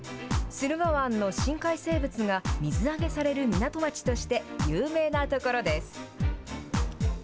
駿河湾の深海生物が水揚げされる港町として有名な所です。